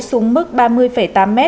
xuống mức ba mươi tám m